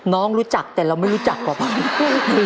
น้องรู้จักแต่เราไม่รู้จักกว่าผัก